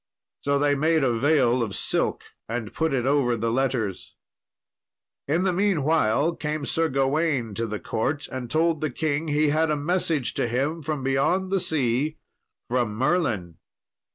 So they made a veil of silk and put it over the letters. In the meanwhile came Sir Gawain to the court and told the king he had a message to him from beyond the sea, from Merlin.